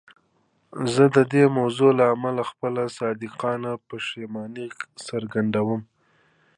زه د دې موضوع له امله خپله صادقانه پښیماني څرګندوم.